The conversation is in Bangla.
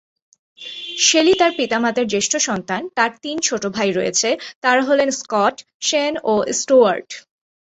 শেলি তার পিতামাতার জ্যেষ্ঠ সন্তান, তার তিন ছোট ভাই রয়েছে, তারা হলেন স্কট, শেন, ও স্টুয়ার্ট।